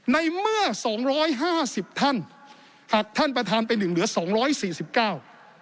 ในเมื่อสองร้อยห้าสิบท่านหักท่านประธานไปหนึ่งเหลือสองร้อยสี่สิบเก้า